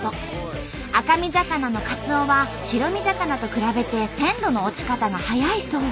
赤身魚のカツオは白身魚と比べて鮮度の落ち方が早いそう。